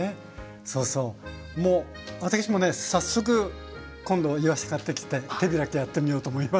そうそうもう私もね早速今度いわし買ってきて手開きやってみようと思います。